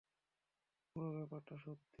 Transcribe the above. পুরো ব্যাপারটা সত্যি।